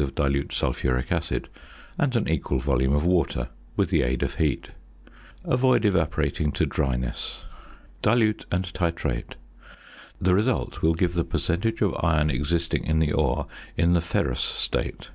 of dilute sulphuric acid and an equal volume of water with the aid of heat. Avoid evaporating to dryness. Dilute and titrate. The result will give the percentage of iron existing in the ore in the ferrous state.